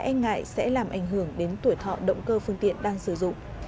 xăng e năm cũng không ảnh hưởng đến tuổi thọ động cơ phương tiện đang sử dụng